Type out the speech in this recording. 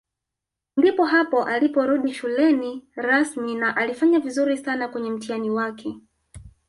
Ndipo hapo aliporudi shuleni rasmi na alifanya vizuri sana kwenye mtihani wake